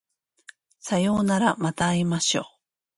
さようならまた会いましょう